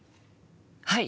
はい！